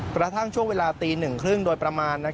กระทั่งช่วงเวลาตี๑๓๐โดยประมาณ